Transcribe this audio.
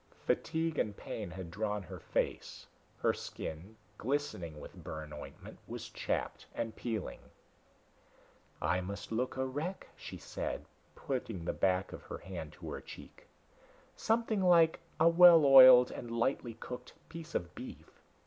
Fatigue and pain had drawn her face; her skin, glistening with burn ointment, was chapped and peeling. "I must look a wreck," she said, putting the back of her hand to her cheek. "Something like a well oiled and lightly cooked piece of beef."